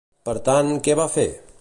Per tant, què va fer?